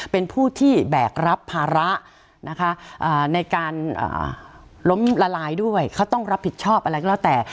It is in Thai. เป็นผู้ที่แบกรับภาระนะคะในการล้มละลายด้วยเขาต้องรับผิดชอบอะไรก็แล้วแต่